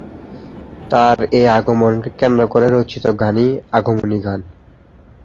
তাঁর এ আগমনকে কেন্দ্র করে রচিত গানই আগমনী গান।